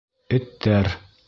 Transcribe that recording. Эттәр!